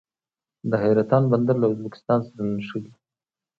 د حیرتان بندر له ازبکستان سره نښلي